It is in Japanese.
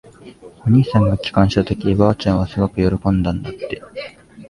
お兄さんが帰還したとき、ばあちゃんはすごく喜んだんだって。